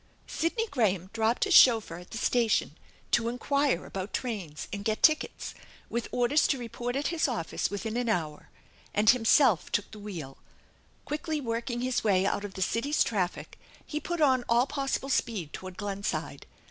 Sidney Graham dropped his chauffeur at the station to enquire about trains and get tickets, with orders to report at his office within an hour, and himself took the wheel. Quickly working his way out of the city's traffic he put on all possible speed toward Glenside.